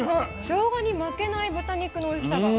しょうがに負けない豚肉のおいしさが。